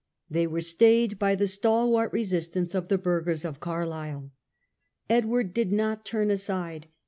They were stayed by the stalwart resistance of the burghers of Carlisle. Edward did not turn aside.